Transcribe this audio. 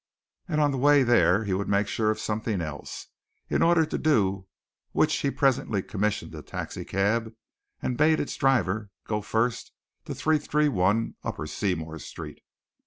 And on the way there he would make sure of something else in order to do which he presently commissioned a taxi cab and bade its driver go first to 331, Upper Seymour Street.